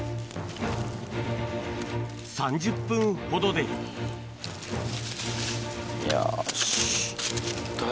３０分ほどでよし。